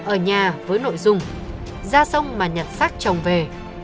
ở nhà với nội dung ra sông mà nhặt sắc chồng về